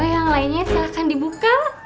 yang lainnya silahkan dibuka